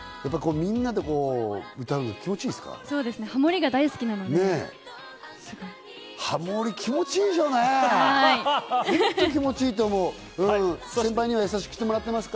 みんなで歌うの気持ちいいですか？